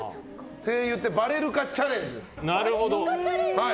声優ってばれるかチャレンジです。